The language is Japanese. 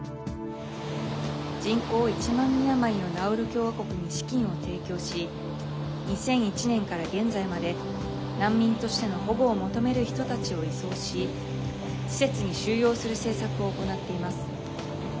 人口１万人余りのナウル共和国に資金を提供し２００１年から現在まで難民としての保護を求める人たちを移送し施設に収容する政策を行っています。